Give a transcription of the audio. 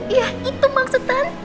iya itu maksud tante